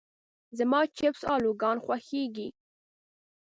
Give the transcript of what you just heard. زما چپس الوګان خوښيږي.